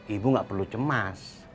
ibu nggak perlu cemas